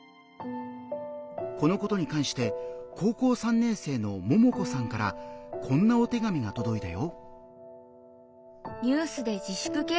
このことに関して高校３年生のももこさんからこんなお手紙がとどいたよ。